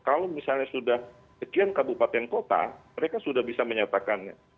kalau misalnya sudah sekian kabupaten kota mereka sudah bisa menyatakannya